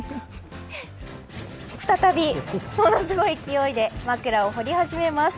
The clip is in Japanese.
再び、ものすごい勢いで枕を掘り始めます。